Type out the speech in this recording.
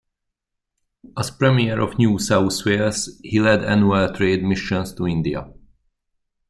As Premier of New South Wales, he led annual trade missions to India.